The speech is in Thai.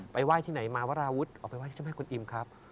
ไปไหว้ที่ไหนมาวาราวุฒิอ๋อไปไหว้ที่เจ้าแม่กุญอิมครับ